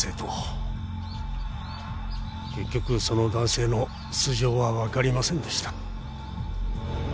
結局その男性の素性は分かりませんでした。